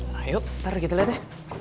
nah yuk ntar kita liat ya